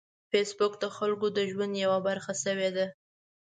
فېسبوک د خلکو د ژوند یوه برخه شوې ده